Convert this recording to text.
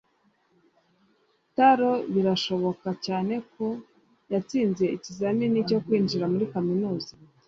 taro birashoboka cyane ko yatsinze ikizamini cyo kwinjira muri kaminuza